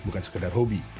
bukan sekedar hobi